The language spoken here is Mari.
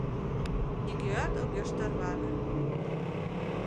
Нигӧат огеш тарване.